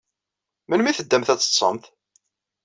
Melmi ay teddamt ad teḍḍsemt?